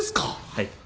はい。